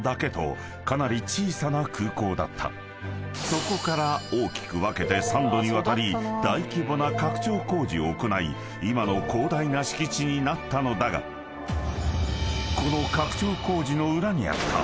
［そこから大きく分けて三度にわたり大規模な拡張工事を行い今の広大な敷地になったのだがこの］